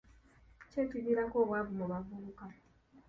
Ki ekiviirako obwavu mu bavubuka?